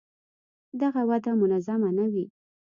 دغه وده منظمه نه وي.